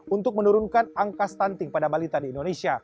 untuk menurunkan angka stunting pada balita di indonesia